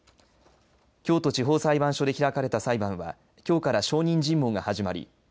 京都地方裁判所で開かれた裁判はきょうから証人尋問が始まり